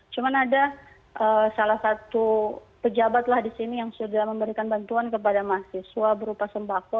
cuma ada salah satu pejabat lah di sini yang sudah memberikan bantuan kepada mahasiswa berupa sembako